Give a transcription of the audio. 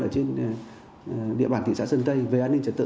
ở trên địa bàn thị xã sơn tây về an ninh trật tự